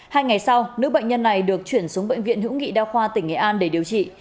hai ngày sau nữ bệnh nhân này được chuyển xuống bệnh viện hữu nghị đa khoa tỉnh nghệ an để điều trị